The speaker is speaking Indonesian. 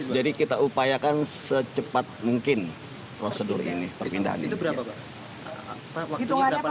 jadi kita upayakan secepat mungkin prosedur ini perpindahan ini